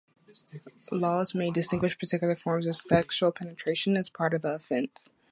Laws may distinguish particular forms of sexual penetration as part of the offense.